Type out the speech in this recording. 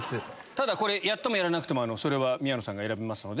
ただこれやってもやらなくてもそれは宮野さんが選べますので。